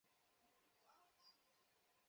একটা চশমাই তো।